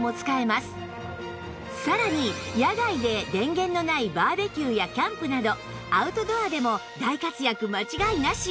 さらに野外で電源のないバーベキューやキャンプなどアウトドアでも大活躍間違いなし